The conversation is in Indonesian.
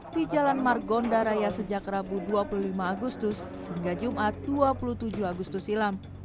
di jalan margonda raya sejak rabu dua puluh lima agustus hingga jumat dua puluh tujuh agustus silam